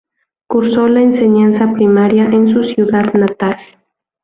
Cursó la enseñanza primaria en su ciudad natal.